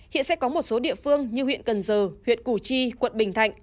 hiện sẽ có một số địa phương như huyện cần giờ huyện củ chi quận bình thạnh